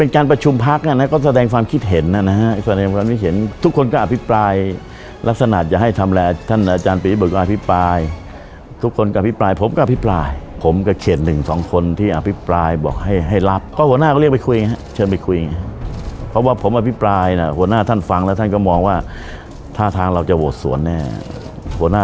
การประชุมพักก็แสดงความคิดเห็นนะฮะแสดงความคิดเห็นทุกคนก็อภิปรายลักษณะจะให้ทำลายท่านอาจารย์ปียบุตรก็อภิปรายทุกคนก็อภิปรายผมก็อภิปรายผมกับเขตหนึ่งสองคนที่อภิปรายบอกให้ให้รับก็หัวหน้าก็เรียกไปคุยฮะเชิญไปคุยเพราะว่าผมอภิปรายนะหัวหน้าท่านฟังแล้วท่านก็มองว่าท่าทางเราจะโหวตสวนแน่หัวหน้า